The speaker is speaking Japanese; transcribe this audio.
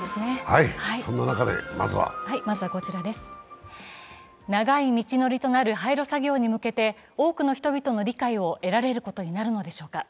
そんな中で、まずは長い道のりとなる廃炉作業に向けて多くの人々の理解を得られることになるのでしょうか。